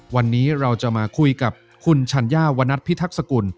วันนี้เราจะมาคุยกับคุณชัญญาวันนัทพิทักษกุล